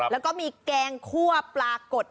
แล้วก็มีแกงคั่วปลากด